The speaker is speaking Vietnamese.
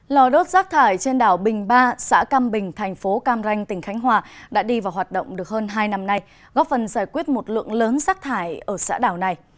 lò đốt rác thải trên đảo bình ba xã cam bình thành phố cam ranh tỉnh khánh hòa đã đi vào hoạt động được hơn hai năm nay góp phần giải quyết một lượng lớn rác thải ở xã đảo này